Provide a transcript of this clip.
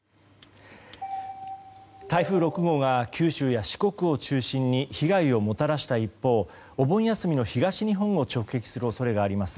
台風６号が九州や四国を中心に被害をもたらした一方お盆休みの東日本を直撃する恐れがあります